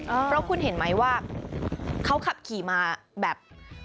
เพราะคุณเห็นไหมว่าเขาขับขี่มาแบบ